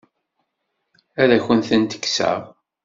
Ad akent-ten-kkseɣ?